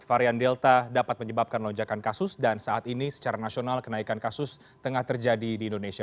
varian delta dapat menyebabkan lonjakan kasus dan saat ini secara nasional kenaikan kasus tengah terjadi di indonesia